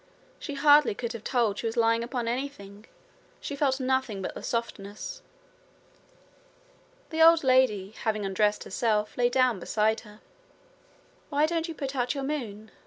She hardly could have told she was lying upon anything: she felt nothing but the softness. The old lady having undressed herself lay down beside her. 'Why don't you put out your moon?'